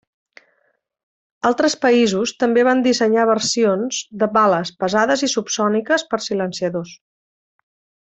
Altres països també van dissenyar versions de bales pesades i subsòniques per silenciadors.